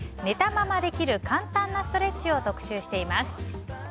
寝たままできる簡単なストレッチを特集しています。